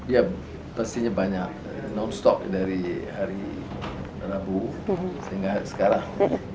ya pastinya banyak non stop dari hari rabu sehingga sekarang